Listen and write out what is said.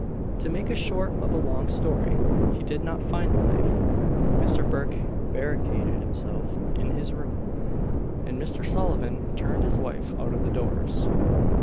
To make short of a long story, he did not find the knife, Mr. Burke barricadoed himself in his room, and Mr. Sullivan turned his wife out of doors.